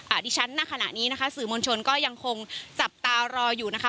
ดิฉันณขณะนี้นะคะสื่อมวลชนก็ยังคงจับตารออยู่นะคะ